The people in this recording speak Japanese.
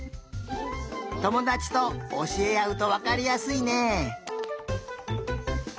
ともだちとおしえあうとわかりやすいね。